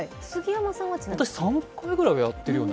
私、３回ぐらいはやってるかな。